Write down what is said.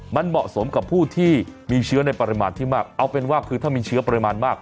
มันเหมาะสมกับผู้ที่มีเชื้อในปริมาณที่มากเอาเป็นว่าคือถ้ามีเชื้อปริมาณมาก